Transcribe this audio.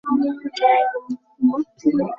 মা, আমি কারো ধর্ম বিশ্বাসের প্রতি আঘাত হানছি না।